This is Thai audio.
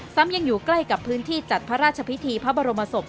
ซ้ำยังอยู่ใกล้กับพื้นที่จัดพระราชพิธีพระบรมศพ